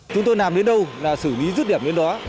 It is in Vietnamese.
chúng tôi làm đến đâu là xử lý rứt điểm đến đó